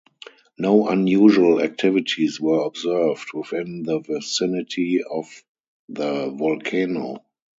No unusual activities were observed within the vicinity of the volcano.